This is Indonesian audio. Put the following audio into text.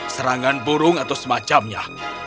serangan burung atau semacamnya